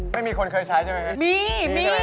ไม่มีคนเคยใช้ใช่ไหม